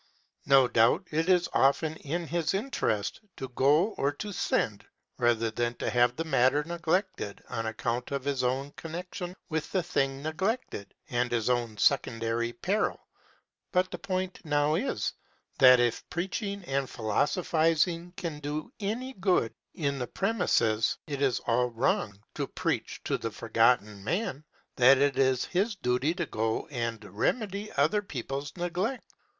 No doubt it is often in his interest to go or to send, rather than to have the matter neglected, on account of his own connection with the thing neglected, and his own secondary peril; but the point now is, that if preaching and philosophizing can do any good in the premises, it is all wrong to preach to the Forgotten Man that it is his duty to go and remedy other people's neglect.